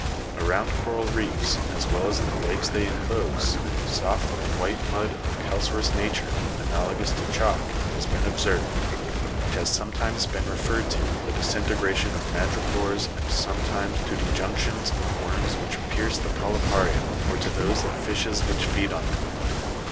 Around cor.il reefs, as well as in the lakes they enclose, soft and white mud of a calcareous nature, analogous to chalk, has been observed, which has sometimes been referred to the disintegration of madrepores, and some times to dejections of worm's which pierce the polypa'ria, or to those of fishes which feed on them.